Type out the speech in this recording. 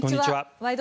「ワイド！